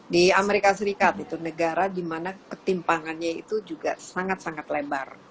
di amerika serikat itu negara di mana ketimpangannya itu juga sangat sangat lebar